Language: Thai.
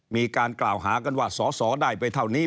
มีการกล่าวหากันว่าสอสอได้ไปเท่านี้